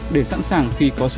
để sẵn sàng khi có sự phố chẳng dầu